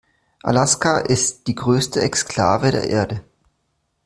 Alaska ist die größte Exklave der Erde.